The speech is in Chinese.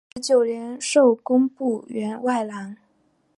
十九年授工部员外郎。